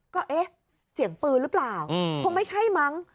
ก็เอ๊ะเสียงปืนหรือเปล่าคงไม่ใช่มั้ง